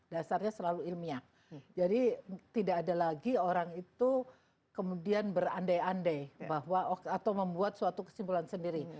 dasarnya selalu ilmiah jadi tidak ada lagi orang itu kemudian berandai andai bahwa atau membuat suatu kesimpulan sendiri